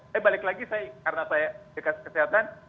tapi balik lagi karena saya dekat kesehatan